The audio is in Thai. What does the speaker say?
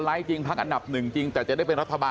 ให้คุณสุริยะตอบ